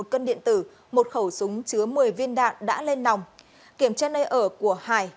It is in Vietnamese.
một cân điện tử một khẩu súng chứa một mươi viên đạn đã lên nòng kiểm tra nơi ở của hải